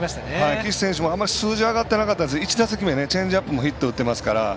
岸選手も、あまり数字が上がってなかったですが１打席目、チェンジアップもヒット打っていますから。